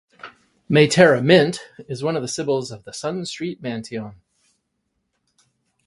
Maytera Mint is one of the sibyls of the Sun Street manteion.